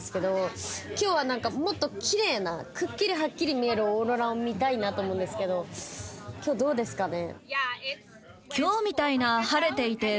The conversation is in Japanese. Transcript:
今日はもっと奇麗なくっきりはっきり見えるオーロラを見たいなと思うんですけど今日どうですかね？